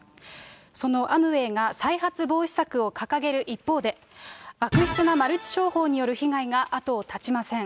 そのアムウェイが再発防止策を掲げる一方で、悪質なマルチ商法による被害が後を絶ちません。